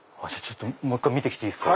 もう１回見て来ていいですか？